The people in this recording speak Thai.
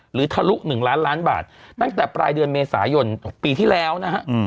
ทะลุ๑ล้านล้านบาทตั้งแต่ปลายเดือนเมษายนปีที่แล้วนะฮะ